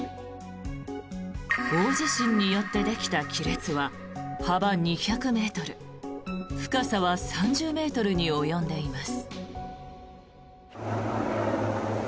大地震によってできた亀裂は幅２００ｍ深さは３０ｍに及んでいます。